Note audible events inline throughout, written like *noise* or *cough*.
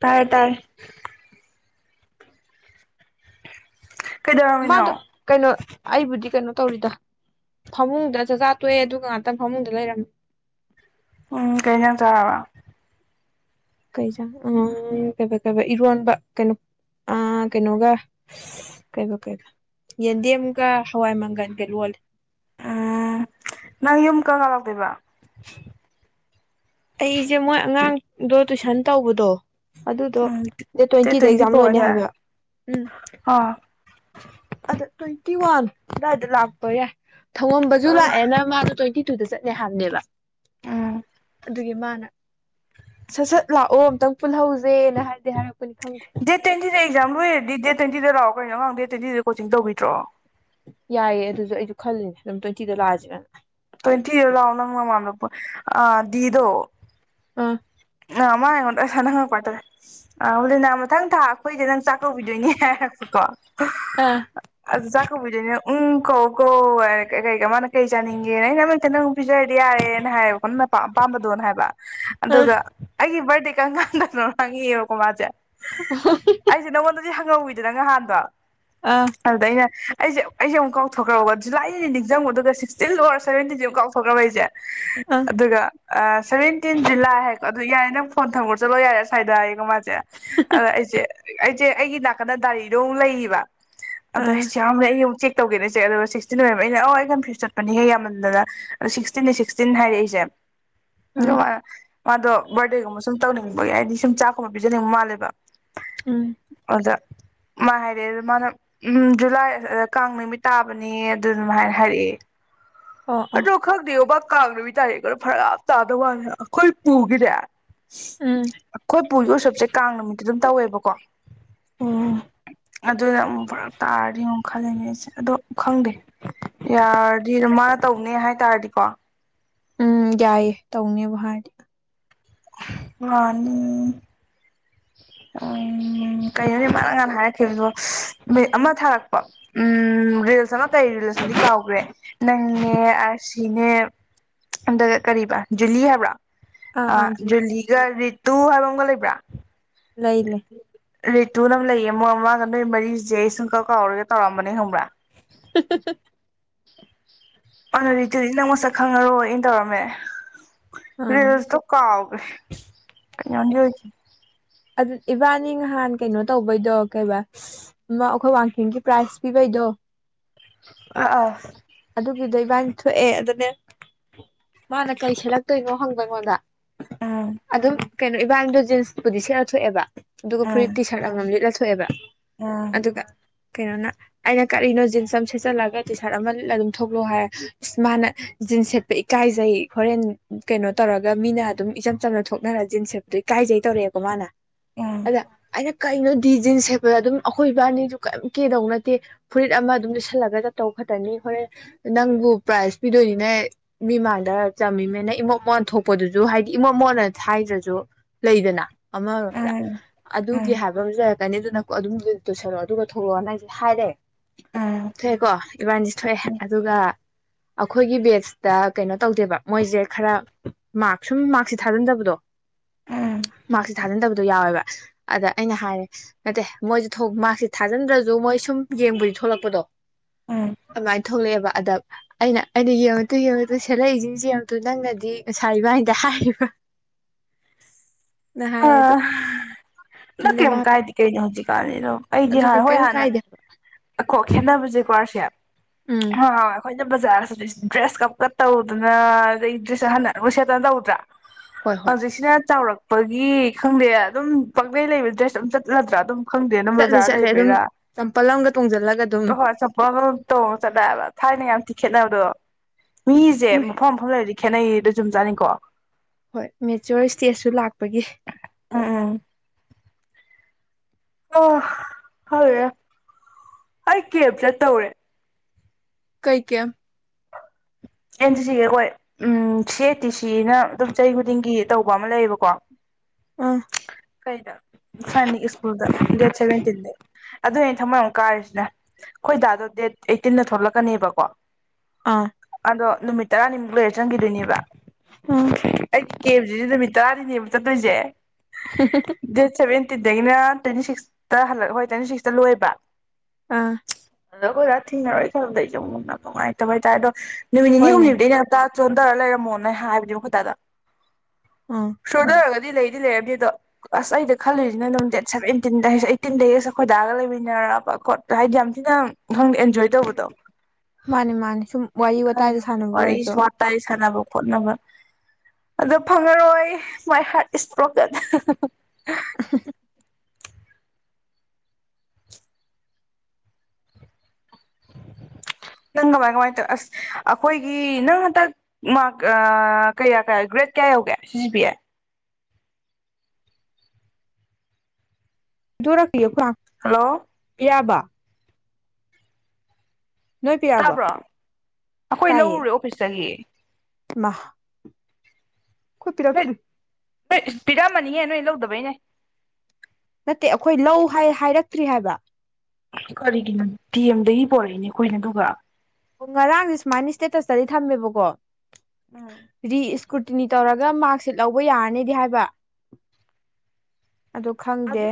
ꯇꯥꯌꯦ ꯇꯥꯌꯦ ꯃꯥꯗꯨ ꯀꯩꯗꯧꯔꯝꯃꯤꯅꯣ ꯀꯩꯅꯣ ꯑꯩꯕꯨꯗꯤ ꯀꯩꯅꯣ ꯇꯧꯔꯤꯗ ꯐꯃꯨꯡꯗ ꯆꯥꯛꯆꯥꯥ ꯇꯣꯛꯑꯦ ꯑꯗꯨꯒ ꯉꯥꯛꯇꯪ ꯐꯃꯨꯡꯗ ꯂꯩꯔꯝꯃꯦ ꯎꯝ ꯀꯩꯩꯅꯖꯥꯡ ꯆꯥꯔꯕ ꯀꯩꯖ ꯎ ꯀ ꯀꯩ ꯏꯔꯣꯟꯕ ꯀꯩꯅꯣ ꯑ ꯀꯩꯅꯣꯒ ꯀꯩ ꯀꯩ ꯌꯦꯟꯗꯦꯝꯒ ꯍꯋꯥꯏ ꯃꯪꯒꯜꯒ ꯂꯣꯜꯂꯦ ꯎꯝ ꯅꯪ ꯌꯨꯝ ꯀꯀ ꯂꯥꯛꯗꯣꯏꯕ ꯑꯩꯁꯦ ꯃꯣꯏ ꯑꯉꯥꯡꯗꯣ ꯇꯨꯏꯁꯟ ꯇꯧꯕꯗꯣ ꯑꯗꯨꯗꯣ ꯎꯝ ꯗꯦꯠ ꯇ꯭ꯋꯦꯟꯇꯤꯗ ꯇ꯭ꯋꯦꯟꯇꯤ ꯑꯦꯛꯖꯥꯝ ꯐꯣꯔ ꯂꯣꯏꯅꯦ ꯑꯗꯥꯏ ꯍꯥꯏꯕꯕ ꯎꯝ ꯑꯥ ꯇ꯭ꯋꯦꯟꯇꯤ ꯋꯥꯟ ꯂꯗ ꯂꯥꯛꯄ ꯌꯥ ꯊꯧꯉꯝꯕꯁꯨ ꯂꯥꯛꯑꯦꯅ ꯃꯥꯅ ꯇ꯭ꯋꯦꯟꯇꯤ ꯗ ꯆꯠꯦꯍꯝꯗꯦꯕ ꯎꯝ ꯑꯗꯨꯒꯤ ꯃꯥꯅ ꯁꯠ ꯁꯠ ꯂꯥꯛꯑꯣ ꯑꯨꯇꯪ ꯄꯨꯜꯍꯧꯁꯦꯅ ꯍꯥꯏꯗꯤ ꯍꯥꯏꯔꯛꯄ ꯗꯦꯠ ꯇꯦꯟꯤꯟ ꯑꯦꯛꯖꯥꯝꯕꯨ ꯍꯔꯗꯤ ꯗꯦ ꯇ꯭ꯋꯦꯟꯇꯤꯗꯥꯛꯑꯣ ꯀꯩꯅꯣ ꯉꯥꯡꯗꯦ ꯇ꯭ꯋꯦꯟꯇꯤ ꯀꯣꯤꯡ ꯇꯧꯕꯤꯗ꯭ꯔꯣ ꯌꯥꯏꯌꯦꯦ ꯑꯗꯨꯁꯨ ꯑꯩꯁꯨ ꯈꯜꯂꯤꯅꯦ ꯑꯗꯨꯝ ꯇ꯭ꯋꯦꯟꯇꯤꯗ ꯂꯥꯛꯑꯁꯤꯦꯅꯅ ꯇ꯭ꯋꯦꯟꯇꯤꯔ ꯂꯥꯎꯗ ꯃꯗ ꯑ ꯗꯗꯣ ꯑ ꯑꯥ ꯃꯥ ꯑꯩꯉꯣꯟꯗ ꯑꯁꯥꯅꯪꯉꯛꯄꯇꯥꯔꯦ ꯑ ꯍꯂꯤꯅꯥ ꯃꯊꯪ ꯊꯥ ꯑꯩꯈꯣꯏꯗꯤ ꯅꯪ ꯆꯥꯛ ꯀꯧꯕꯧꯕꯤꯗꯣꯏꯅꯤ ꯍꯥꯏꯔꯛꯄꯀꯣ ꯑꯥ ꯖꯈ ꯏꯗꯤꯅ ꯎꯝ ꯀꯣ ꯀꯣ ꯀꯩ ꯀ ꯃꯥꯅ ꯀꯩ ꯆꯅꯤꯡꯦ ꯄꯤꯖꯔꯗꯤ ꯌꯥꯔꯦꯅ ꯍꯥꯏꯌꯦꯕꯀꯣ ꯅꯪꯅ ꯄꯥꯝꯕꯗꯣꯅ ꯍꯥꯏꯕ ꯑꯥ ꯑꯗꯨꯒ ꯔꯦ ꯀꯪꯥꯟ ꯇꯣꯉꯀ ꯃꯥꯖꯦ ꯑꯩꯁꯦ ꯅꯪꯉꯣꯟꯗꯗꯤ ꯍꯪꯍꯧꯋꯤꯅꯦ ꯑꯗꯨ ꯅꯪ ꯅꯍꯥꯟꯥꯟꯕꯣ ꯑꯥ ꯑꯜꯗꯅꯦ ꯑꯩꯁꯦ ꯑꯩꯁꯦꯨꯛ ꯀꯥꯎꯊꯣꯛꯈ꯭ꯔꯕ ꯑꯗꯨꯁꯨ ꯂꯥꯏꯏꯅꯤ ꯅꯤꯡꯁꯤꯡꯉꯨ ꯑꯗꯨꯒ ꯁꯤꯛꯁꯇꯤꯟ ꯑꯣꯔ ꯁꯦꯟꯇꯤꯟꯁꯦꯨꯛ ꯀꯥꯎꯊꯣꯛꯈ꯭ꯔꯕ ꯑꯩꯁꯦ ꯑꯥ ꯑꯗꯨꯒ ꯁꯚꯦꯟꯇꯤꯟ ꯖꯨꯂꯥꯏ ꯍ ꯑꯗꯨ ꯌꯥꯏꯌꯦ ꯅꯪ ꯐꯣꯟ ꯊꯝꯒꯨꯔ ꯆꯠꯂꯣ ꯌꯥꯏ ꯁ꯭ꯋꯥꯏ ꯀꯃꯥꯏꯅ ꯑ ꯑꯩꯁꯦ ꯑꯩꯁꯦ ꯑꯩꯒꯤ ꯅꯥꯀꯟꯗ ꯗꯥꯏꯔꯤꯗꯣꯨꯛ ꯂꯩꯌꯦꯕ ꯑꯗ ꯑꯥ ꯆ ꯌꯥꯝ ꯎꯆꯦꯛ ꯇꯧꯒꯦꯅꯦꯆꯦ ꯑꯗꯨꯒ ꯁꯤꯛꯁꯇꯤꯟ ꯑꯣꯏꯔꯝꯃꯦ ꯑꯩꯅ ꯑꯧ ꯑꯩꯟ ꯐ꯭ꯁ ꯆꯠꯄ ꯍꯦ ꯌꯥꯝꯃꯟꯗꯅ ꯁꯤꯛꯁꯇꯤꯟ ꯁꯤꯛꯁꯇꯤꯟ ꯍꯥꯏꯔꯛꯏꯁꯦ ꯑꯥ ꯌꯥ ꯕꯔꯗꯦꯒꯨꯝꯕ ꯁꯨꯝ ꯇꯧꯅꯤꯡꯕꯒꯤ ꯍꯥꯏꯗꯤ ꯁꯨꯝ ꯆꯥꯛꯀꯨꯝꯕ ꯄꯤꯖꯅꯤꯡꯕ ꯃꯥꯜꯂꯦꯕ ꯑ ꯑꯗꯨꯗ ꯃꯥ ꯍꯥꯏꯔꯛꯑꯦ ꯑꯗꯨ ꯃꯥꯅ ꯎꯝ ꯖꯨꯂꯥꯏ ꯀꯥꯡ ꯅꯨꯃꯤꯠ ꯇꯥꯕꯅꯦ ꯑꯗꯨ ꯑꯗꯨꯃꯥꯏꯅ ꯍꯥꯏꯔꯛꯑꯦ ꯑꯣ ꯑꯣ ꯍꯔꯣ ꯈꯗꯣ ꯀꯥꯡꯗꯕꯤ ꯇꯔꯦ ꯈ ꯐꯔꯥꯞ ꯆꯥꯗꯕ ꯋꯥꯂꯦ ꯑꯩꯈꯣꯏ ꯄꯨꯈꯤꯗꯦ ꯎꯝ ꯑꯩꯈꯣꯏ ꯄꯨꯒꯤ ꯎꯁꯞꯁꯦ ꯀꯥꯡ ꯅꯨꯃꯤ ꯑꯗꯨꯝ ꯇꯧꯋꯦꯕꯀꯣ ꯑꯣ ꯑꯗꯨꯅꯨ ꯇꯥꯔꯤꯨ ꯈꯜꯂꯉꯁꯦ ꯑꯗꯣ ꯈꯪꯗꯦ ꯌꯥꯔꯗꯤ ꯃꯥ ꯇꯧꯅꯦ ꯍꯥꯏ ꯇꯥꯔꯗꯤꯀꯣ ꯎꯝ ꯌꯥꯏꯌꯦ ꯇꯧꯅꯦꯕꯨ ꯍꯥꯏꯔꯗꯤ ꯑꯅꯤ ꯑ ꯎꯝ ꯀꯩꯅꯣꯅꯤ ꯃꯥꯅ ꯉꯅ ꯍꯥꯏꯔꯛꯈꯤꯕꯗꯣ ꯃꯤ ꯑꯃ ꯊꯥꯔꯛ ꯎꯝ ꯔꯤꯜꯁ ꯑꯃ ꯀꯩ ꯔꯤꯜꯁꯅꯗꯤ ꯀꯥꯎꯈ꯭ꯔꯦ ꯅꯪꯅꯦ ꯑꯁ ꯁꯤꯅꯦ ꯑꯝꯗ ꯀꯔꯤꯕ ꯖꯨꯂꯤ ꯍꯥꯏꯕ꯭ꯔꯥ ꯑꯥ ꯑ ꯑꯥ ꯌ ꯂꯤꯒ ꯇꯨ ꯍꯥꯏꯕꯪꯒꯣ ꯂꯩꯕ꯭ꯔ ꯂꯩ ꯂꯩ ꯔꯤꯇꯨ ꯅꯪ ꯂꯩꯌꯦ ꯃꯣꯏ ꯑꯃꯃꯥꯡꯒ ꯅꯣꯏ ꯃꯔꯤꯁꯦ ꯑꯩ ꯁꯨꯡꯀꯛ ꯀꯥꯎꯔꯒꯦ ꯇꯧꯔꯑꯝꯕꯅꯦ ꯈꯪꯕ꯭ꯔꯥ ꯑꯅꯣ ꯔꯔꯤꯇꯗꯤ ꯅ ꯃ ꯁ ꯈꯪꯉꯔꯣꯏ ꯑꯩꯅ ꯇꯧꯔꯝꯃꯦ ꯑꯥ ꯔꯦꯁ ꯊ ꯀꯥꯥꯎ ꯀꯩꯅꯅꯤ ꯆꯦ ꯑꯗꯨ ꯏꯕꯥꯅꯤ ꯅꯍꯥꯟ ꯀꯩꯅꯣ ꯇꯧꯕꯩꯗꯣ ꯀꯩꯕꯥ ꯑꯩꯈꯣꯏ ꯋꯥꯡꯈꯤꯡꯒꯤ ꯄ꯭ꯔꯥꯏꯖ ꯄꯤꯕꯩꯗꯣ ꯑ ꯑꯥ ꯑꯗꯨꯒꯤꯗꯣ ꯏꯕꯥꯅꯤ ꯊꯣꯛꯑꯦ ꯑꯗꯨꯅꯦ ꯃꯥꯅ ꯀꯩ ꯁꯦꯠꯂꯛꯇꯣꯏꯅꯣ ꯍꯪꯕ ꯑꯩꯉꯣꯟꯗ ꯎꯝ ꯑꯗ ꯀꯩꯅꯣ ꯏꯕꯥꯅꯤꯗꯣ ꯖꯤꯟꯁꯄꯨꯗꯤ ꯁꯦꯠꯅ ꯊꯣꯛꯑꯦꯕ ꯑꯗꯨꯒꯗꯨꯒꯣ ꯐꯨꯔꯤꯇꯤ ꯁꯥꯔꯝ ꯁꯕ ꯑꯥ ꯀꯩꯅꯣꯅ ꯑꯩꯅ ꯀꯠꯂꯤꯅꯣ ꯖꯤꯟꯁ ꯑꯃ ꯁꯦꯠꯆꯜꯂꯒ ꯇꯤ ꯁꯥꯔꯠ ꯑꯃ ꯂꯩ ꯑꯗꯨꯝ ꯊꯣꯛꯂꯣ ꯍꯥꯏꯔ ꯏꯁ ꯃꯥꯅ ꯖꯤꯟꯁ ꯁꯦꯠꯄ ꯏꯀꯥꯏꯖꯩ ꯍꯣꯔꯦꯟ ꯀꯩꯅꯣ ꯇꯧꯔꯒ ꯃꯤꯅ ꯑꯗꯨꯝ ꯏꯆꯝ ꯆꯝꯅ ꯊꯣꯛꯅꯔ ꯖꯤꯟꯁ ꯁꯦꯠꯄꯗꯣ ꯏꯀꯥꯏꯖꯩ ꯇꯧꯔꯛꯑꯦꯕꯣ ꯃꯥꯅ ꯎꯝ ꯑꯗꯩꯅ ꯀꯩꯅꯣ ꯗꯤ ꯖꯤꯟꯁ ꯁꯦꯠꯄꯗ ꯑꯗꯨꯝ ꯑꯩꯈꯣꯏ ꯏꯕꯥꯅꯤꯁꯨ ꯀꯔꯤꯝ ꯀꯩꯗꯧ ꯅꯠꯇꯦ ꯐꯨꯔꯤꯠ ꯑꯃ ꯑꯗꯨꯝ ꯂꯤꯠꯁꯜꯂꯒ ꯆꯠꯇꯧ ꯈꯛꯇꯅꯤ ꯍꯣꯔꯦ ꯅꯪꯕꯨ ꯄ꯭ꯔꯥꯏꯖ ꯄꯤꯗꯣꯏꯅꯤꯅꯦ ꯃꯤꯃꯥꯡꯗ ꯆꯝꯃꯤꯃꯦꯅ ꯏꯃꯣꯠ ꯃꯣꯟ ꯊꯣꯛꯄꯗꯨꯁꯨ ꯍꯥꯏꯗꯤ ꯏꯃꯣꯠ ꯃꯣꯟꯅ ꯊꯥꯏꯗ꯭ꯔꯁꯨ ꯂꯩꯗꯅ ꯑꯃ ꯎꯝ ꯎꯝ ꯎꯝ ꯑꯗꯨꯒꯤ ꯍꯥꯏꯕ ꯑꯃꯁꯦ ꯀꯅꯤ ꯑꯗꯨꯅ ꯑꯗꯨꯝ ꯇꯣꯏꯁꯜꯂꯛꯑꯣ ꯑꯗꯨꯒ ꯊꯣꯛꯂꯛꯑꯣꯅ ꯑꯩꯁꯨꯦ ꯍꯥꯏꯔꯦ ꯎꯝ ꯊꯣꯛꯑꯦꯀꯣ ꯏꯕꯥꯁꯤ ꯍ ꯑꯗꯨꯒ ꯑꯩꯈꯣꯏꯒꯤ ꯕꯦꯠꯁꯇ ꯀꯩꯅꯣ ꯇꯧꯗꯦꯕ ꯃꯣꯏꯁꯦ ꯈꯔ ꯃꯥꯔꯛꯁ ꯁꯨꯝ ꯃꯥꯔꯛꯁꯁꯦ ꯊꯥꯖꯤꯟꯗꯕꯗꯣ ꯎꯝ ꯃꯥ ꯊꯥꯖꯤꯟꯗꯕꯗꯣ ꯌꯥꯎꯋꯦꯕ ꯑꯗ ꯑꯩꯅ ꯍꯥꯏꯔꯦ ꯅꯠꯇꯦ ꯃꯣꯏꯁꯦ ꯃꯍꯥꯛꯁꯦ ꯊꯥꯖꯤꯟꯗ꯭ꯔꯁꯨ ꯃꯣꯏ ꯁꯨꯝ ꯌꯦꯡꯕꯨꯗꯤ ꯊꯣꯛꯂꯛꯄꯗꯣ ꯑ ꯑꯗꯨꯃꯥꯏꯅ ꯊꯣꯛꯂꯛꯑꯦꯕ ꯑꯗ ꯑꯩꯅ ꯑꯩꯅ ꯌꯦꯡꯉꯛꯇꯨ ꯌꯦꯡꯉꯛꯇꯨ ꯁꯦꯠꯂꯛꯏꯁꯤ ꯌꯦꯡꯉꯛꯇꯨ ꯅꯪꯅꯗꯤ ꯉꯁꯥꯏ ꯏꯕꯥꯗ ꯍꯥꯏꯔꯤꯕ ꯑ ꯅ ꯑꯗꯨꯅꯦ ꯀꯔꯤꯝ ꯃꯥꯅ ꯀꯥꯏꯗꯤ ꯀꯩꯅꯣ ꯍꯧꯖꯤꯛꯀꯥꯟꯅꯤꯗꯣ ꯑꯩꯗꯤ ꯑꯗꯨꯅꯦ ꯍꯥꯟꯅ ꯍꯣꯏ ꯀꯔꯤꯝ ꯍꯥꯟꯅ ꯀꯥꯏꯗꯦ ꯀꯣ ꯈꯦꯠꯅꯕꯁꯦꯀꯣꯔꯁꯦ ꯎꯝ ꯍꯣꯏ ꯑꯩꯅ ꯕꯖꯥꯔꯁꯤ ꯗ꯭ꯔꯦꯁ ꯀꯞ ꯀꯞ ꯇꯧꯗꯅ ꯑꯗꯩ ꯗ꯭ꯔꯦꯁ ꯍꯟꯅ ꯂꯣꯏ ꯁꯦꯠꯇꯅ ꯇꯧꯗ꯭ꯔꯥ ꯍꯣꯏ ꯍꯣꯏ ꯍꯧꯖꯤꯛꯁꯤꯅ ꯆꯥꯎꯔꯛ ꯄꯄꯒꯤ ꯈꯪꯗꯦ ꯑꯗꯨꯝ ꯄꯥꯛꯂꯩ ꯂꯩꯕ ꯗ꯭ꯔꯦꯁ ꯑꯗꯨꯝ ꯆꯠꯂꯗ꯭ꯔꯥ ꯑꯗꯨꯝ ꯈꯪꯗꯦ ꯅꯝ ꯆꯠꯂꯤ ꯕꯖꯥꯔ ꯆꯠꯂꯤ ꯑꯗꯨꯝ ꯂꯩꯕꯩꯔꯥ ꯆꯝꯄꯜ ꯑꯃꯒ ꯇꯣꯡꯁꯤꯜꯂꯒ ꯑꯗꯨꯝ ꯍ ꯍꯣꯏ ꯆꯄ ꯇꯧ ꯆꯠꯂꯛꯑꯦꯕ ꯊꯥꯏꯅ ꯌꯥꯝ ꯇꯤꯈꯦꯠꯅꯕꯅꯕꯗꯣ ꯃꯤꯁꯦ ꯃꯐꯝ ꯃꯐꯝ ꯂꯩꯔꯗꯤ ꯈꯦꯠꯅꯩꯗꯣ ꯆꯨꯝ ꯆꯥꯅꯤꯡꯀꯣ ꯍ ꯃꯦ ꯆꯇꯦꯠꯁꯨ ꯂꯥꯛꯄꯒꯤ ꯎꯝ ꯎꯝ ꯑꯣ ꯍꯦ ꯑꯩ ꯀꯦꯞ ꯆ ꯇꯧꯔꯦ ꯀꯩ ꯀꯦ ꯑꯦꯟ ꯁꯤꯒꯤ ꯑꯩꯈꯣꯏ ꯎꯝ ꯁꯤ ꯑꯦ ꯇꯤ ꯁꯤꯅ ꯑꯗꯨꯝ ꯆꯍꯤ ꯈꯨꯗꯤꯡꯒꯤ ꯇꯧꯕ ꯑꯃ ꯂꯩꯌꯦꯕꯀꯣ ꯑꯥ ꯀꯩꯗ ꯁꯅꯤ ꯁꯀꯨꯜꯗ ꯗꯦꯠ ꯁꯦꯕꯦꯟ ꯇꯤꯟꯗ ꯑꯗꯨꯅꯦ ꯊꯝꯃꯣꯏ ꯑꯃꯨꯛ ꯀꯥꯔꯤꯁꯤꯅꯦ ꯑꯩꯈꯣꯏꯗꯥꯗꯣ ꯗꯦꯠ ꯑꯩꯠꯇꯤꯟꯗ ꯊꯣꯛꯂꯛꯀꯅꯦꯕꯀꯣ ꯑꯥ ꯑꯗꯣ ꯅꯨꯃꯤꯠ ꯇꯔꯥꯅꯤꯃꯨꯛ ꯂꯩꯔ ꯆꯪꯈꯤꯗꯣꯏꯅꯦꯕ ꯑꯩꯒꯤ ꯀꯦꯞꯁꯤꯗꯤ ꯅꯨꯃꯤꯠ ꯆꯥꯔꯤꯅꯦꯕ ꯆꯠꯇꯣꯏꯁꯦ ꯁꯕꯤ ꯤꯗꯒꯤꯅ ꯇ꯭ꯋꯦꯟꯇꯤ ꯁꯤꯛꯁꯇ ꯍꯂ ꯍꯣꯏ ꯇ꯭ꯋꯦꯟꯇꯤ ꯁꯤꯛꯁꯇ ꯂꯣꯏꯦꯕ ꯑ ꯑꯗꯣ ꯑꯩꯣꯏꯔꯥ ꯊꯦꯡꯅꯔꯣꯏ ꯈꯜꯕꯗꯩꯁꯨꯧ ꯃꯨꯅ ꯅꯨꯡꯉꯥꯏꯇꯕ ꯍꯥꯏꯇꯥꯔ ꯑꯗꯣ ꯅꯨꯃꯤꯅꯤꯅꯤ ꯍꯣꯏꯅꯦ ꯍꯨꯝꯅꯤꯔꯗꯦ ꯌꯥꯥꯛ ꯆꯣꯟꯊꯔ ꯂꯩꯔꯝꯃꯣꯅꯦ ꯍꯥꯏꯕꯗꯨ ꯃꯈꯗꯥꯗ ꯑꯥ ꯁꯣꯗꯣ ꯑꯒ ꯂꯩꯔꯗꯤ ꯂꯩꯔꯕꯗꯤ ꯑꯗꯣ ꯑꯁ ꯑꯩꯗ ꯈꯜꯂꯨꯁꯤꯅ ꯑꯗꯨꯝ ꯗꯦꯠ ꯁꯚꯦꯟꯇꯤꯟꯗ ꯑꯩꯠꯇꯤꯟꯗꯒꯤ ꯑꯁ ꯈꯣꯏꯗꯥꯑꯒ ꯂꯩꯃꯤꯟꯅꯔꯕ ꯈꯣꯠ ꯍꯥꯏꯗꯤ ꯌꯥꯝ ꯊꯤꯅ ꯈꯪꯗꯦ ꯑꯦꯟꯖꯣꯏ ꯇꯧꯕꯗꯣ ꯃꯥꯅꯦ ꯃꯥꯅꯦ ꯁꯨꯝ ꯋꯥꯔꯤ ꯋꯥꯇꯥꯏꯗ ꯈꯥꯟꯅꯅꯤ ꯁꯥꯟꯅꯕ ꯋꯥꯔꯤ ꯑꯣꯏꯔꯁꯨ ꯏꯁ ꯃꯔ ꯇꯥꯏ ꯁꯥꯟꯕꯨꯣꯛ ꯍꯣꯠꯅꯕ ꯑꯗꯣ ꯐꯪꯉꯔꯣꯏ ꯃꯥꯏ ꯍꯥꯔꯠ ꯏꯁꯇ꯭ꯔꯣꯛꯀ *inaudible* ꯅꯪ ꯀꯃꯥꯏ ꯀꯃꯥꯏ ꯇꯧ ꯑꯁ ꯑꯩꯈꯣꯏꯒꯤ ꯅꯪ ꯍꯟꯗꯛ ꯃꯥꯔꯛ ꯀꯌꯥ ꯀꯌꯥ ꯒ꯭ꯔꯦꯗ ꯀꯌꯥ ꯌꯧꯒꯦ ꯁꯤꯁꯨ ꯄꯤꯌꯦ ꯛꯂꯤꯣ ꯈ ꯍꯜꯂꯣ ꯌꯥꯕ ꯅꯣꯏ ꯄꯤꯔꯛꯑꯕ ꯇꯥꯕ꯭ꯔꯣ ꯑꯩꯈꯣꯏ ꯇꯥꯏꯌꯦ ꯂꯧꯔꯨꯔꯦ ꯑꯣꯐꯤꯁꯇꯒꯤ *inaudible* ꯑꯩꯈꯣꯏ ꯄꯤꯔꯛꯇ꯭ꯔꯤ ꯅꯣꯏꯣꯏ ꯄꯤꯔꯃꯅꯤꯡꯉꯦ ꯅꯣꯏ ꯂꯧꯗ ꯅꯦ ꯅꯠꯇꯦ ꯑꯩꯈꯣꯏ ꯂꯧ ꯍꯥꯏꯔꯛꯇ꯭ꯔꯤ ꯍꯥꯏꯕ ꯀꯔꯤꯒꯤꯅꯣ ꯇꯤ ꯑꯦꯝꯗꯒꯤ ꯄꯣꯔꯛꯏꯅꯦ ꯑꯩꯈꯣꯏꯅ ꯑꯗꯨꯒꯒ ꯑꯣ ꯉꯔꯥꯡꯗꯤꯦ ꯁꯨꯃꯥꯏꯅ ꯏꯁꯇꯦꯇꯁꯇꯗꯤ ꯊꯝꯃꯦꯕꯀꯣ ꯎꯝ ꯔꯤ ꯏꯁꯀꯨ ꯀꯨꯇꯤꯅꯤ ꯇꯧꯔꯒ ꯃꯥꯔꯛꯁꯤꯠ ꯂꯧꯕ ꯌꯥꯔꯅꯤꯗꯤ ꯍꯥꯏꯕ ꯑꯗꯨ ꯈꯪꯗꯦ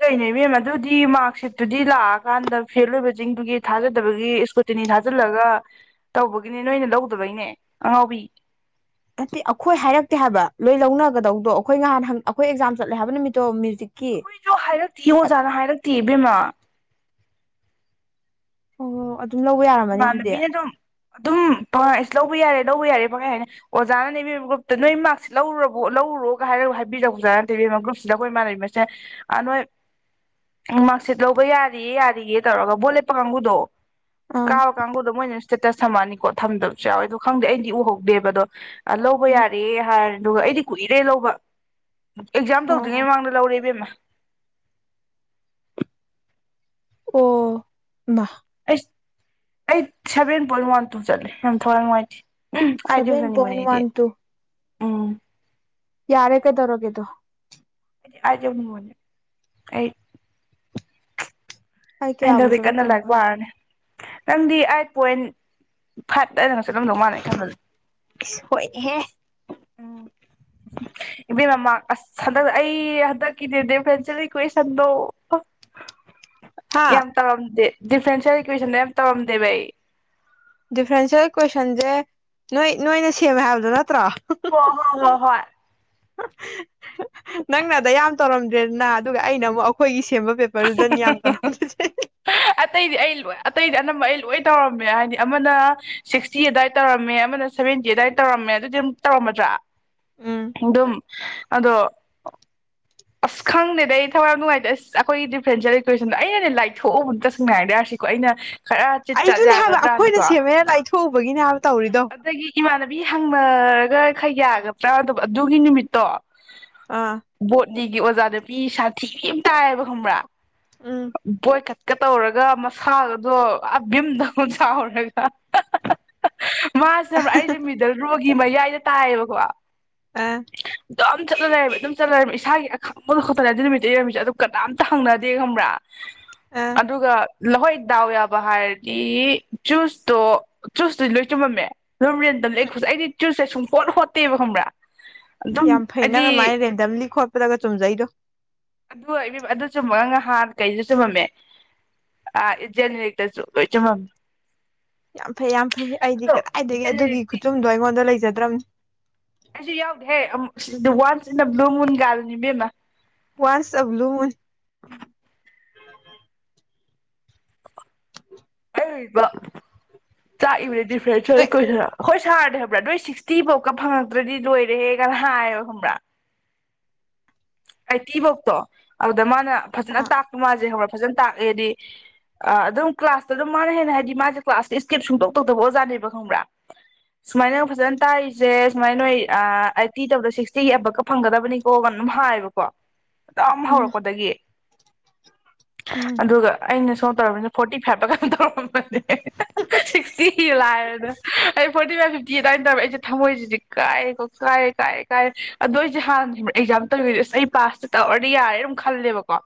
ꯀꯅꯦ ꯃꯦꯝ ꯑꯗꯨꯗꯤ ꯃꯥꯔꯛꯁꯤꯠꯇꯨꯗꯤ ꯂꯥꯛꯑꯀꯥꯟꯗ ꯐꯦꯜ ꯑꯣꯏꯕꯁꯤꯡꯗꯨꯒꯤ ꯊꯥꯖꯗꯕꯒꯤ ꯏꯁꯀ꯭ꯔꯨꯇꯤꯅꯤ ꯊꯥꯖꯜꯂꯒ ꯇꯧꯕꯒꯤꯅꯦ ꯅꯣꯏꯅ ꯂꯧꯗꯕꯩꯅꯦ ꯑꯉꯥꯎꯕꯤ ꯅꯠꯇꯦ ꯑꯩꯈꯣꯏ ꯍꯥꯏꯔꯛꯇꯦ ꯍꯥꯏꯕ ꯂꯣꯏ ꯂꯧꯅꯒꯗꯧꯗꯣ ꯑꯩꯈꯣꯏ ꯅꯍꯥꯟ ꯑꯩꯈꯣꯏ ꯑꯦꯛꯖꯥꯝ ꯆꯠꯂꯦ ꯍꯥꯏꯕ ꯅꯨꯃꯤꯠꯇꯣ ꯃ꯭ꯌꯨꯖꯤꯛ ꯑꯩꯈꯣꯏꯁꯨ ꯍꯥꯏꯔꯛꯇꯦ ꯑꯣꯖꯥꯅ ꯍꯥꯏꯔꯛꯇꯦ ꯏꯕꯦꯝꯃꯥ ꯑꯣ ꯑꯗꯨ ꯑꯗꯨꯝ ꯂꯧꯕ ꯌꯥꯔꯝꯃꯅꯤ ꯑꯗꯨꯗꯤ ꯏꯃꯥꯟꯅꯕꯤꯅ ꯑꯗꯨꯝ ꯑꯗꯨꯝ ꯐꯉꯥꯏ ꯂꯧꯕ ꯌꯥꯔꯦ ꯂꯧꯕ ꯌꯥꯔꯦ ꯐꯪꯉꯥꯏ ꯍꯥꯏꯅꯤ ꯑꯣꯖꯥꯅ ꯅꯦꯕꯤꯔꯤꯕ ꯒ꯭ꯔꯨꯞꯇ ꯅꯣꯏ ꯃꯥꯔꯛꯁꯤꯠ ꯂꯧꯔꯔꯕꯣ ꯂꯧꯔꯨꯔꯣꯒ ꯍꯥꯏꯔꯒ ꯍꯥꯏꯕꯤꯔꯛ ꯑꯣꯖꯥꯅ ꯅꯦꯕꯤꯝꯕ ꯒ꯭ꯔꯨꯞꯁꯤꯗ ꯑꯩꯈꯣꯏ ꯏ ꯃꯥꯟꯅꯩ ꯃꯁꯦ ꯅꯣꯏ ꯃꯥꯔꯛꯁꯤꯠ ꯂꯧꯕ ꯌꯥꯔꯤꯌꯦ ꯌꯥꯔꯤꯌꯦꯦ ꯇꯧꯔꯒ ꯕꯣꯠ ꯂꯦꯞꯄ ꯀꯥꯡꯕꯨꯗꯣ ꯑꯥ ꯀꯥ ꯀꯥꯡꯒꯕꯨꯗ ꯃꯣꯏꯅ ꯏꯁꯇꯦꯇꯁ ꯊꯝꯃꯑꯅꯤꯀꯣ ꯊꯝꯗꯕꯁꯨ ꯌꯥꯎꯋꯦ ꯑꯗꯣ ꯈꯪꯗꯦ ꯑꯩꯗꯤ ꯎꯍꯧꯗꯦꯕ ꯑꯗꯣ ꯂꯧꯕ ꯎꯝ ꯌꯥꯔꯦ ꯍꯥꯏꯔꯦ ꯑꯗꯨꯒ ꯑꯩꯗꯤ ꯀꯨꯏꯔꯦ ꯂꯧꯕ ꯑꯦꯛꯖꯥꯝ ꯑꯣ ꯑꯣ ꯇꯧꯗ꯭ꯔꯤꯉꯩꯃꯥꯡꯗ ꯂꯧꯔꯦ ꯏꯕꯦꯝꯃ ꯑꯣ ꯑꯩꯁ ꯑꯩ ꯁꯚꯦꯟ ꯄꯣꯏꯟ ꯋꯥꯟ ꯇꯨ ꯆꯠꯂꯦ ꯌꯥꯝ ꯊꯋꯥꯏ ꯅꯨꯡꯉꯥꯏꯇꯦ ꯎꯝ ꯁꯚꯦꯟ ꯄꯣꯏꯟ ꯋꯥꯟ ꯇꯨ ꯑꯥ ꯌꯥꯔꯦ ꯀꯩ ꯇꯔꯣꯒꯦꯗꯨꯣ ꯑꯩꯥꯏ ꯑꯩ ꯀꯌꯥꯕꯨ ꯍꯗꯖꯤꯀꯥꯟꯅ ꯆꯠꯂꯛꯇꯣꯏꯅꯣ ꯈꯪꯗꯦ ꯂꯥꯛꯄꯅꯦ ꯅꯪꯗꯤ ꯑꯥꯏꯠ ꯄꯣꯏꯟ ꯐꯠ ꯖꯅꯁꯦ ꯑꯗꯨꯝꯗꯧ ꯃꯅꯦ ꯈꯜ ꯏꯁ ꯍꯣꯏꯅꯦꯍꯦ ꯎꯝ ꯏꯕꯦꯝ ꯃꯃꯥꯡ ꯑꯁ ꯍꯟꯗꯛ ꯑꯩ ꯍꯟꯗꯛꯀꯤꯅꯦ ꯗ ꯐꯦꯟ ꯀꯨꯏ ꯁꯟꯗꯣ ꯍꯥ ꯌꯥꯝ ꯇꯥꯔꯝꯗꯦ ꯗꯤꯐ꯭ꯔꯦꯟꯁꯤꯌꯦꯦꯜ ꯏꯀ꯭ꯋꯦꯁꯟ ꯌꯥꯝ ꯇꯧꯔꯝꯗꯦꯕ ꯑꯩ ꯗꯤꯐ꯭ꯔꯦꯟꯁꯤꯌꯦꯦꯜ ꯀꯣꯏꯁꯟꯁꯦ ꯅꯣꯏ ꯅꯣꯏꯅ ꯁꯦꯝꯃꯦ ꯍꯥꯏꯕꯗꯨꯣ ꯅꯠꯇ ꯍ ꯍꯣ ꯍꯣ ꯍꯣꯏ ꯅꯪꯅꯗ ꯌꯥꯝ ꯇꯧꯔꯝꯗ꯭ꯔꯦꯗꯅ ꯑꯗꯨꯒ ꯑꯩꯅ ꯑꯃꯨꯛ ꯑꯩꯈꯣꯏꯒꯤ ꯁꯦꯝꯕ ꯄꯦꯄꯔꯗꯨꯗꯅꯤ ꯌꯥꯝ ꯇꯔꯝꯅꯁ ꯍꯣꯏ ꯑꯇꯩꯗꯤ ꯑꯩ ꯂꯣꯏ ꯑꯇꯩꯗꯤ ꯑꯅꯝꯕ ꯑꯩ ꯂꯣꯏ ꯇꯧꯔꯝꯃꯦ ꯍꯥꯏꯗꯤ ꯑꯃꯅ ꯁꯤꯛꯁꯇꯤ ꯑꯗꯨꯋꯥꯏꯗ ꯇꯧꯔꯝꯃꯦ ꯑꯃꯅ ꯁꯚꯦꯟꯇꯤ ꯑꯗꯨꯗꯥꯏ ꯇꯧꯔꯝꯃꯦ ꯑꯗꯨꯗꯤ ꯑꯃꯨꯛ ꯇꯧꯔꯝꯃꯗ꯭ꯔꯥ ꯎꯝ ꯑꯗꯨꯝ ꯑꯗꯣ ꯑꯁ ꯈꯪꯗꯦꯗꯗꯤ ꯑꯩ ꯊꯋꯥꯏ ꯌꯥꯝ ꯅꯨꯡꯉꯥꯏꯇꯦ ꯑꯁ ꯑꯩꯈꯣꯏꯒꯤ ꯗꯤꯐ꯭ꯔꯦꯟꯁꯦꯜ ꯀ꯭ꯋꯦꯁꯟꯗꯣ ꯑꯩꯅꯗꯤꯅꯦ ꯂꯥꯏꯊꯣꯛꯎꯕ ꯑꯝꯇ ꯁꯪ ꯉꯥꯏꯔꯗ ꯌꯥꯔꯁꯤꯀꯣ ꯑꯩꯅ ꯈꯔ ꯆꯤꯠ ꯆꯥꯠ ꯑꯩꯗꯨꯅꯦ ꯍꯥꯏꯕ ꯑꯩꯈꯣꯏꯅ ꯌꯥꯒꯗ꯭ꯔꯥꯅꯀꯣ ꯁꯦꯝꯃꯦꯅ ꯂꯥꯏꯊꯣꯛꯎꯕꯒꯤꯅꯦ ꯍꯥꯏꯕ ꯇꯧꯔꯤꯗꯣ ꯑꯗꯒꯤ *inaudible* ꯑꯥ ꯕꯣꯇꯅꯤꯒꯤ ꯑꯣꯖꯥ ꯅꯨꯄꯤ ꯁꯥꯊꯤꯕꯤ ꯑꯃ ꯇꯥꯏꯌꯦꯕ ꯈꯪꯕ꯭ꯔꯥ ꯎꯝ *inaudible* ꯕꯦꯠ ꯇꯧꯅ ꯧꯔꯒ ꯃꯁꯥꯒꯗꯣ ꯕꯤꯝꯗꯧꯅ ꯆꯥꯎꯔꯒ ꯃꯥꯁꯤꯅꯦ ꯑꯩꯁꯦ ꯃꯤꯗꯜ ꯔꯣꯒꯤ ꯃꯌꯥꯏꯗ ꯇꯥꯏꯌꯦꯕꯀꯣ ꯑ ꯑꯗꯨꯝ ꯆꯠꯅ ꯂꯩꯔꯝꯃꯦ ꯑꯗꯨꯝ ꯆꯠꯅꯔꯝꯃꯦ ꯏꯁꯥꯒꯤ ꯑꯈꯪꯕꯗꯨ ꯈꯛꯇꯅꯗꯤ ꯅꯨꯃꯤꯠꯇ ꯏꯔꯝꯃꯤꯁꯦ ꯑꯗꯨ ꯅꯨꯃꯤꯠꯇꯣ ꯀꯅꯥꯝꯇ ꯍꯪꯅꯗꯦ ꯈꯪꯕ꯭ꯔꯥ ꯑꯥ ꯑꯗꯨꯒ ꯂꯍꯣꯏ ꯗꯥꯎ ꯌꯥꯕ ꯍꯥꯏꯔꯗꯤ ꯆꯨꯁꯇꯣ ꯆꯨꯁꯇꯨꯗꯤ ꯂꯣꯏ ꯆꯨꯝꯃꯝꯃꯦ ꯂꯨꯝꯨꯔꯦꯟ ꯇꯕ ꯂꯩ ꯎꯝ ꯑꯩꯈꯁꯦ ꯑꯩꯗꯤ ꯆꯨꯁꯁꯦ ꯁꯨꯝ ꯀꯣꯠ ꯀꯣꯠꯇꯦꯕ ꯌꯥꯝ ꯐꯩꯩꯅ ꯑꯗꯨꯃꯥꯏꯅ ꯔꯦꯟꯗꯝꯂꯤ ꯈꯣꯠꯄꯗꯒ ꯆꯨꯝꯖꯩꯗꯣ ꯑꯗꯨ ꯑꯗꯨ ꯆꯨꯝ ꯅꯍꯥꯟ ꯑꯩꯁꯨ ꯆꯨꯝꯃꯝꯃꯦ ꯏꯖꯛꯇꯁꯨ ꯂꯣꯏ ꯆꯨꯝꯃꯝꯃꯦ ꯌꯥꯝ ꯐꯩ ꯌꯥꯝ ꯐꯩ ꯑꯩꯗꯤ ꯑꯗꯣ ꯀꯗꯥꯏꯗꯒꯤ ꯑꯗꯨꯒꯤ ꯖꯦꯅꯦꯔꯤꯛꯇꯤ ꯈꯨꯆꯨꯝꯗꯣ ꯑꯩꯉꯣꯟꯗ ꯂꯩꯖꯗꯦ ꯃ ꯃꯔ꯭ꯔꯝ ꯑꯩꯁꯨ ꯌꯥꯎꯗꯦ ꯑꯃꯨꯛ ꯁꯤ once in the blue moon ꯒꯥꯅꯤꯕꯦꯝꯃ ꯋꯥꯁ ꯑꯦ ꯕꯨꯜ ꯃꯨꯜ ꯑꯔꯤꯕ ꯆꯥꯛꯏꯕꯗꯤ ꯗꯤꯐ꯭ꯔꯦꯟꯁꯨ ꯍꯦꯛ ꯀꯣꯏꯁꯤꯔ ꯍꯣꯏ ꯁꯥꯔꯗꯦ ꯍꯥꯏꯕ꯭ꯔꯥ ꯅꯣꯏ ꯁꯤꯛꯁꯇꯤ ꯐꯧꯀ ꯐꯪꯉꯛꯇ꯭ꯔꯗꯤ ꯂꯣꯏꯔꯦꯒꯅ ꯍꯥꯏꯌ ꯈꯪꯕ꯭ꯔꯥ ꯑꯩꯇꯤ ꯐꯧꯇꯣ ꯑꯗꯨꯗ ꯃꯥꯅ ꯐꯖꯅ ꯑꯥ ꯇꯥꯛꯄ ꯃꯥꯁꯦ ꯍꯧꯔꯛꯄ ꯐꯖꯅ ꯇꯥꯛꯑꯦꯗꯤ ꯑꯗꯨꯝ ꯀ꯭ꯂꯥꯁꯇ ꯑꯗꯨꯝ ꯃꯥꯅ ꯍꯦꯟꯅ ꯍꯥꯏꯗꯤ ꯃꯥꯁꯦ ꯀ꯭ꯂꯥꯁꯇ ꯏꯁꯀꯦꯞ ꯁꯨꯡꯇꯣꯛ ꯇꯧꯇꯕ ꯑꯣꯖꯥꯅꯦꯕ ꯈꯪꯕ꯭ꯔꯥ ꯁꯨꯃꯥꯏꯅ ꯐꯖꯅ ꯇꯥꯛꯏꯁꯦ ꯁꯨꯃꯥꯏꯅ ꯅꯣꯏ ꯑꯥꯏꯠꯇꯤ ꯇꯧꯗ ꯁꯤꯛꯁꯇꯤꯒꯤ ꯑꯕꯛꯀ ꯐꯪꯒꯗꯕꯅꯤꯀꯣꯒ ꯑꯗꯨꯝ ꯍꯥꯏꯌꯦꯕꯀ ꯋꯥ ꯑꯗꯨꯝ ꯎꯝ ꯍꯧꯔꯛꯄꯗꯒꯤ ꯎꯝ ꯑꯗꯨꯒ ꯑꯩꯅ ꯁꯣꯝ ꯇꯧꯅꯤꯅ ꯐꯣꯔꯇꯤ ꯐꯥꯏꯚꯇ ꯀ ꯇꯧꯔꯝꯕꯅꯤ ꯁꯤꯛꯁꯇꯤ ꯂꯥꯏꯔꯗꯅ ꯑꯩ ꯐꯣꯔꯇꯤ ꯐꯥꯏꯚ ꯐꯤꯞꯇꯤ ꯑꯗꯨꯃꯏꯅ ꯇꯧꯔꯦ ꯑꯩꯁꯦ ꯊꯝꯃꯣꯏꯁꯤꯗꯤ ꯀꯥꯏꯔꯦ ꯀꯥꯏꯔꯦ ꯀꯥꯏꯔꯦ ꯀꯥꯏꯔꯦ ꯑꯗꯣ ꯑꯩꯁꯦ ꯍꯥꯟꯅ ꯑꯦꯛꯖꯥꯝ ꯇꯧꯗꯤ ꯑꯁ ꯑꯩ ꯄꯥꯁꯇ ꯇꯧꯔꯗꯤ ꯌꯥꯔꯦ ꯑꯗꯨꯝ ꯈꯜꯂꯦꯕꯀꯣ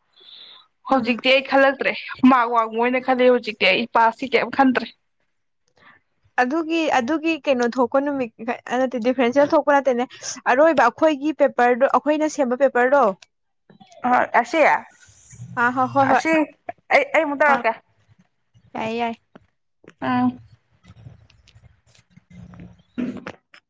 ꯑꯥ ꯍꯧꯖꯤꯛꯇꯤ ꯑꯩ ꯈꯜꯂꯛ ꯭ꯔꯦ ꯃꯥ ꯋꯥꯡꯉꯨꯅ ꯈꯜꯂꯦ ꯍꯧꯖꯤꯛꯇꯤ ꯑꯩ ꯄꯁꯇꯤ ꯀꯩꯔꯤꯝ ꯈꯟꯗ꯭ꯔꯦ ꯑꯗꯨꯒꯤ ꯑꯗꯨꯒꯤ ꯀꯩꯅꯣ ꯊꯣꯛꯄ ꯅꯨꯃꯤꯠ ꯅꯠꯇꯦ ꯗꯤꯐ꯭ꯔꯦꯟꯁꯦꯜ ꯊꯣꯛꯄ ꯅꯠꯇꯦꯅꯦ ꯑꯔꯣꯏꯕ ꯑꯩꯈꯣꯏꯒꯤ ꯄꯦꯄꯔꯗꯣ ꯑꯩꯈꯣꯏꯅ ꯁꯦꯝꯕ ꯄꯦꯄꯔꯗꯣ ꯍꯣꯏ ꯑꯁꯤꯁꯤꯌꯥ ꯑꯥ ꯍꯣꯏ ꯍꯣꯏ ꯍꯣꯏ ꯑꯁꯤ ꯑꯩ ꯑꯩ ꯃꯗ ꯋꯥ ꯀ ꯀꯏ ꯌꯥꯏ ꯑꯥ *unintelligible*